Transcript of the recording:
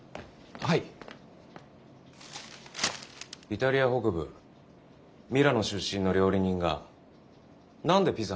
イタリア北部ミラノ出身の料理人が何でピザなんだ？